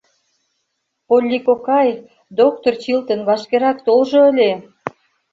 Полли кокай, доктыр Чилтон вашкерак толжо ыле!